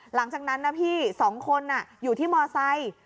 หลังจากนั้นนะพี่๒คนอยู่ที่มอไซค์